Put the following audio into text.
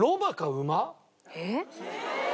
えっ？